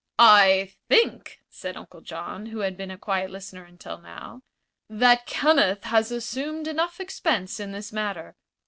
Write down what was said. "I think," said Uncle John, who had been a quiet listener until now, "that Kenneth has assumed enough expense in this matter."